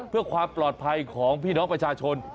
เพื่อความปลอดภัยของพี่น้องประชาชน